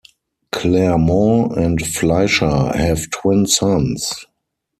Claremont and Fleisher have twin sons.